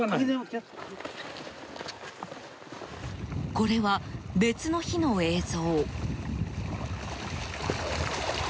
これは、別の日の映像。